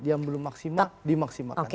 yang belum maksimal dimaksimalkan